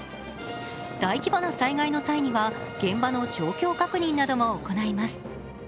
大規模な災害の際には現場の状況確認なども行います。